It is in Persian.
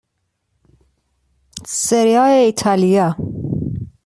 سری آ ایتالیا